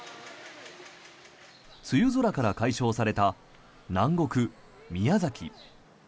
梅雨空から解消された南国・宮崎。